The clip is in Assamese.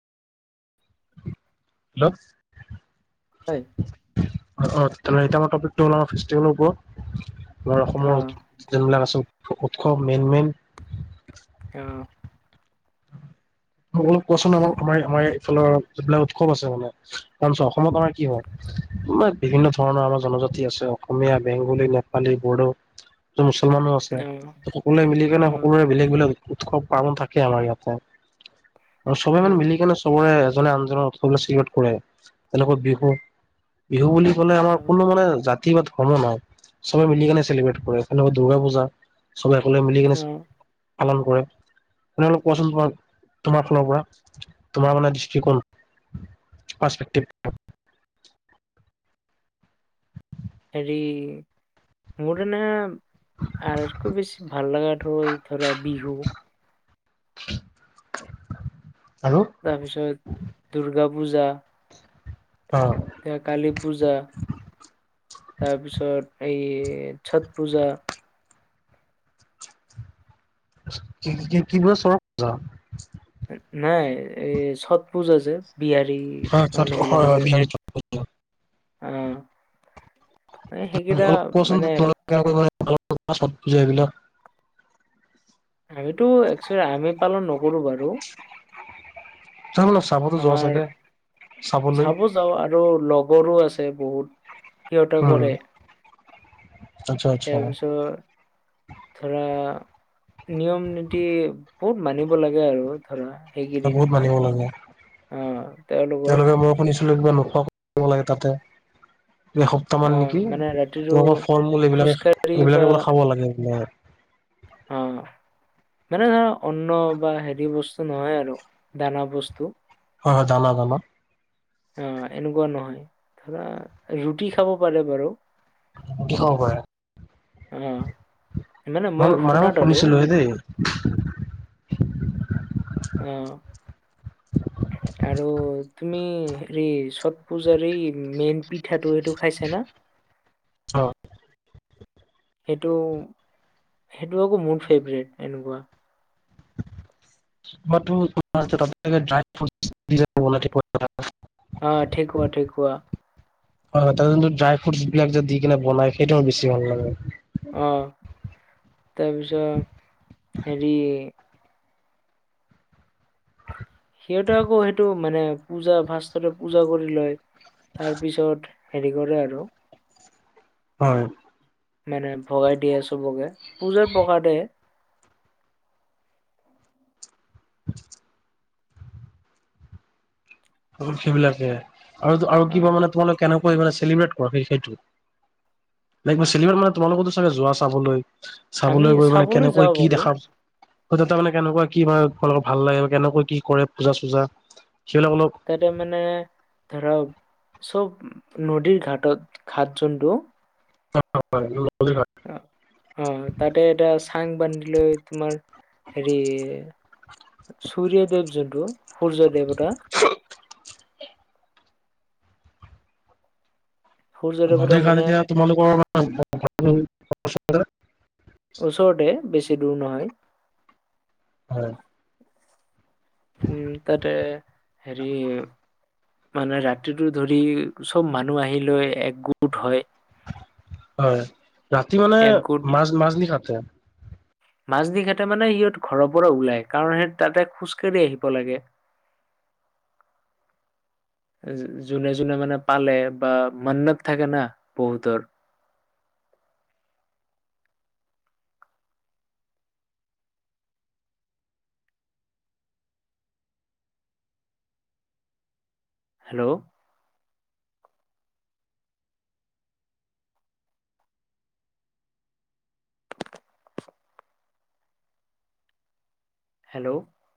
হেল্ল' অ হয় এতিয়া আমাৰ টপিকটো হল আমাৰ ফেছতিভেলৰ ওপৰত আমাৰ অসমৰ অ', এই বিলাক আচল উৎস মেইন মেইন অ মোক অলপ কোৱাচোন আমাৰ আমাৰ আমাৰ এইফালৰ যিবিলাক উৎসৱ আছে মানে কাৰণ চা অসমত আমাৰ কি হয় আমাৰ বিভিন্ন ধৰণৰ আমাৰ জনজাতি আছে অসমীয়া বেংগলী নেপালী বড়ো মুছলমানো অ', আছে সকলোৱে মিলি কেনে অ', সকলোৰে বেলেগ বেলেগ উৎসৱ পাৰন থাকে আমাৰ ইয়াতে। আৰু চবে মান অ', মিলি কেনে। কৰে এজনে আনজনৰ উৎসৱ চেলিব্ৰেট কৰে তেনেকৈ বিহু বিহু বুলি। অ', কোনো মানে জাতি বা ধৰ্ম নাই চবে মিলি কেনে চেলিব্ৰেট কৰে তেনেকুৱা দুৰ্গা পূজা। চবে একে মিলি কেনে অ', পালন কৰে তেওঁনে অল কোৱাচোন। তোমাৰ ফালৰ পৰা তোমাৰ মানে দৃষ্টিকোণ ফ্ৰাস্ট একটিভত। হেৰি। মোৰ ন আৰু বেছি ভাল লাগা হ'ল ধৰা বিহু। আৰু তাৰ পিছত দুৰ্গা পূজা। অ। এতিয়া কালী পূজা তাৰপিছত এই ছট পূজা। কি কৈছা চৰত পূজা। নাই এই ছট পূজা যে বিহাৰী মানুহ হয় বিলাকে হয় যে। বিহাৰী চৰক পূজা অ মানে সেইকেইটা মানে। গাওঁ ব্যৱহাৰ আমাৰ ছতপূজা এই বিলাক। আমিতো একচেল আমি পালন নকৰো বাৰু। ত ল চাবতো যোৱা চাগে চাবলৈ। যাউ আৰু লগৰো আছে বহুত। সিহটৰ উম কৰে আচ্ছা আচ্ছা তাৰপিছত। ধৰা নিয়ম নীতি বহুত মানিব লাগে আৰু ধৰা সেইকেইদিন। বহুত মানিব লাগে। অ তেওঁলোকৰ। তেওঁলোকে মই শুনিছিল কিবা নোখোৱা কৰিব লাগে তাতে। এসপ্তাহ মান আহ নেকি মানে ৰাতিটো তোমোকৰ ফল -মূল এইবিলাকে খোজকাঢ়ি এইবিলাকে বো খাব লাগে। অ মানে ধৰা অন্ন বা হেৰি বস্তু নহয় আৰু দানা বস্তু। হয় হয় দানা দানা। অ এনেকুৱা নহয় ধৰা ৰুটি খাব পাৰে বাৰু। ৰুটি খাব পাৰে। হ। মই মানে মই শুনিছিলো হেই দেই। অ। আৰু তুমি হেৰি ছট্ পূজাৰ এই মেইন পিঠাটো এইটো খাইছা না। অ সেইটো সেইটো আকৌ মোৰ ফেভৰেইট এনেকুৱা। তে ড্ৰাই ফ্ৰইট দি। অ ঠেকুৱা ঠেকুৱা। হয় হয় তাতে কিন্তু ড্ৰাই ফ্ৰুইটছ বিলাক যে দি কিনে বনাই সেইটো মোৰ বেছি ভাল লাগে। অ তাৰপিছত হেৰি। সিহঁতে আকৌ সেইটো মানে পূজা ফাসততে পূজা কৰি লয় তাৰপিছত। হেৰি কৰে আৰু। হয়। মানে ভগাই দিয়ে চবকে পূজাৰ প্ৰসাদে। সেইবিলাকে আৰু আৰু অ কিবা মানে তোমালোক কেনেকৈ মানে চেলিব্ৰেট কৰা সেই সেইটো। লাইক ম চেলিব্ৰেইট মানে তোমালোকে তো চাগে যোৱা চাবলৈ আমি চাবলৈ গৈ মানে যাওঁ কেনেকৈ কি বাৰু দেখা। হয়, তাৰমানে, কেনেকুৱা কি হয়, তোমালোকৰ ভাল লাগে বা কেনেকুৱা কি কৰে পূজা- চূজা। সেইবিলাক অলপ তাতে মানে, ধৰক, চব নদীৰ ঘাটত ঘাট যোনটো [unintelligible] অ', অ' তাতে এটা চাং বান্ধি লৈ তোমাৰ হেৰি সূৰ্য্যদেৱ যোনটো সূৰ্যদেৱতা সূৰ্য দেৱতা গোটেই গাঁৱত মানে এতিয়া তোমালোকৰ [unintelligible] ওচৰতে, বেছি দূৰ নহয়। হয়। উম, তাতে হেৰি মানে, ৰাতিটো ধৰি চব মানুহ আহি লৈ একগোট হয়। হয়, ৰাতি মানে একগোট মাজ, মাজনিশাতে মাজনিশাতে মানে সিহঁত ঘৰৰ পৰা ওলাই। কাৰণ, সেই তাতে খোজকাঢ়ি আহিব লাগে। [unintelligible] যোনে, যোনে মানে পালে, বা মন্নত থাকে না বহুতৰ হেল্ল'। হেল্ল'।